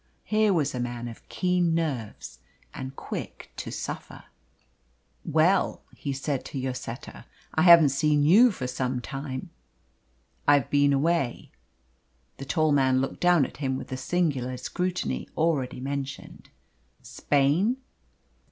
Here was a man of keen nerves and quick to suffer. "Well," he said to Lloseta, "I haven't seen you for some time." "I've been away." The tall man looked down at him with the singular scrutiny already mentioned. "Spain?"